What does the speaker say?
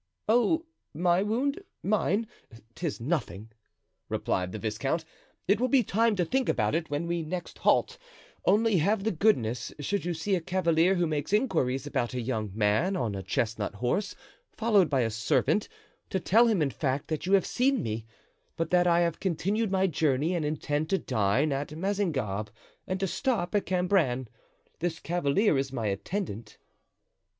"Oh, my wound—mine—'tis nothing," replied the viscount; "it will be time to think about it when we next halt; only have the goodness, should you see a cavalier who makes inquiries about a young man on a chestnut horse followed by a servant, to tell him, in fact, that you have seen me, but that I have continued my journey and intend to dine at Mazingarbe and to stop at Cambrin. This cavalier is my attendant."